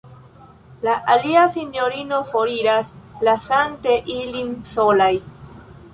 La alia sinjorino foriras, lasante ilin solaj.